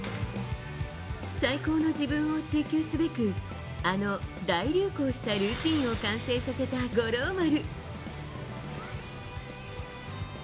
最高の自分を追求すべくあの大流行したルーティンを完成させた五郎丸。